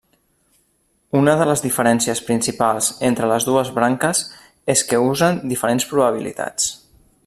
Una de les diferències principals entre les dues branques és que usen diferents probabilitats.